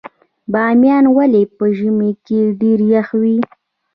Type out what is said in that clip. بامیان ولې په ژمي کې ډیر یخ وي؟